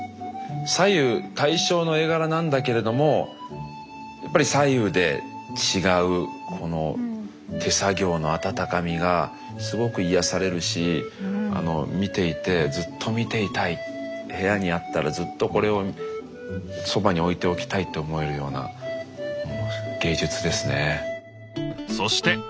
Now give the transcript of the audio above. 左右対称の絵柄なんだけれどもやっぱり左右で違う手作業の温かみがすごく癒やされるし見ていてずっと見ていたい部屋にあったらずっとこれをそばに置いておきたいと思えるような芸術ですね。